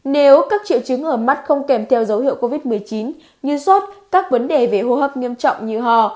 nếu các triệu chứng ở mắt không kèm theo dấu hiệu covid một mươi chín như sốt các vấn đề về hô hấp nghiêm trọng như hò